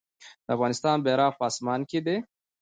د افغانستان بیرغ په اسمان کې دی